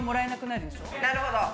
なるほど。